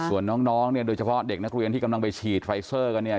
ส่วนน้องเนี่ยโดยเฉพาะเด็กนักเรียนที่กำลังไปฉีดไฟเซอร์กันเนี่ย